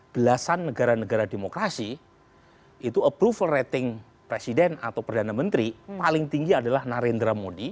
belasan negara negara demokrasi itu approval rating presiden atau perdana menteri paling tinggi adalah narendra modi